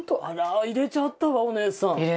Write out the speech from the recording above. あら入れちゃったわ、お姉さん。